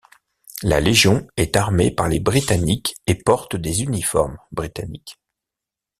La Légion est armée par les Britanniques et porte des uniformes britanniques.